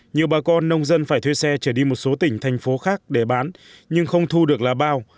nhiều bà con nông dân phải thuê xe trở đi một số tỉnh thành phố khác để bán nhưng không thu được là bao